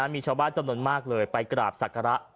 มีชาวบ้านจำนวนมากเลยไปกราบศักระ